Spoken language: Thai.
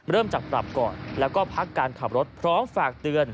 เริ่มจากปรับก่อนแล้วก็พักการขับรถพร้อมฝากเตือน